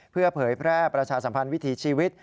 เพื่อเผยแพร่ประชาสัมพันธ์วิถีชีวิต